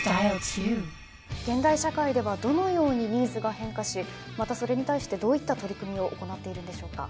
現代社会ではどのようにニーズが変化しまたそれに対してどういった取り組みを行っているんでしょうか？